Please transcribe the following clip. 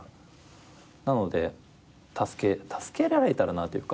なので助け助けられたらなっていうか